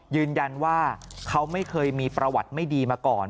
ยืนยันว่าเขาไม่เคยมีประวัติไม่ดีมาก่อน